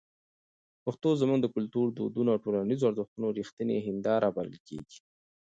پښتو زموږ د کلتور، دودونو او ټولنیزو ارزښتونو رښتینې هنداره بلل کېږي.